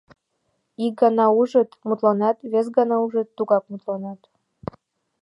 Ик гана ужыт — мутланат, вес гана ужыт — тугак мутланат.